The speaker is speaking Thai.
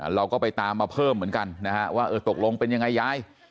เราก็ไปตามมาเพิ่มเหมือนกันนะฮะว่าเออตกลงเป็นยังไงยาย